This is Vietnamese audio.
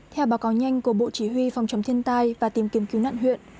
theo báo cáo nhanh của bộ chỉ huy phòng chống thiên tai và tìm kiếm cứu nạn huyện